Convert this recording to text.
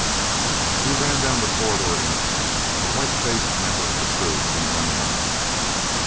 We ran down to the corridor incline. A white faced member of the crew came running up.